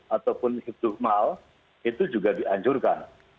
ataupun hidup mal itu juga dianjurkan